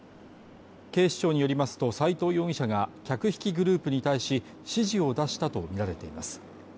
警視庁によりますと斉藤容疑者が客引きグループに対し指示を出したとみられています。